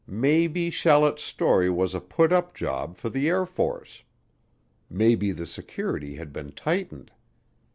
Maybe Shallet's story was a put up job for the Air Force. Maybe the security had been tightened.